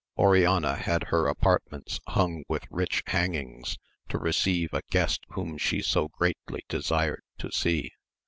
Oriana had her apart ments hung with rich hangings to receive a guest whom she so greatly desired to see.